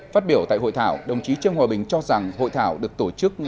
phát biểu tại hội thảo đồng chí trương hòa bình cho rằng hội thảo được tổ chức